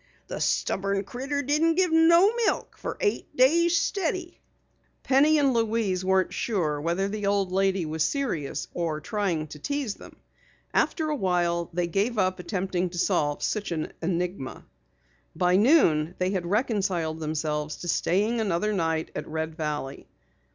The stubborn critter didn't give no milk for eight days steady." Penny and Louise weren't sure whether the old lady was serious or trying to tease them. After awhile they gave up attempting to solve such an enigma. By noon they had reconciled themselves to staying another night at Red Valley.